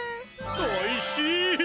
おいしい。